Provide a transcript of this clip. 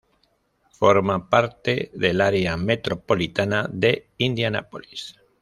Forma parte del área metropolitana de Indianápolis.